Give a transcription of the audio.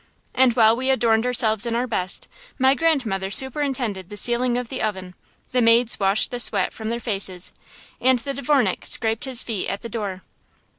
And while we adorned ourselves in our best, my grandmother superintended the sealing of the oven, the maids washed the sweat from their faces, and the dvornik scraped his feet at the door.